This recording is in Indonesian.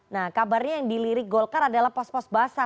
nah kabarnya yang dilirik golkar adalah pos pos basah